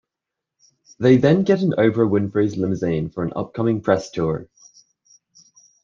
They then get in Oprah Winfrey's limousine for an upcoming press tour.